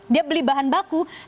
dia beli bahan baku